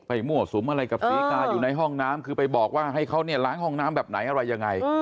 มั่วสุมอะไรกับศรีกาอยู่ในห้องน้ำคือไปบอกว่าให้เขาเนี่ยล้างห้องน้ำแบบไหนอะไรยังไง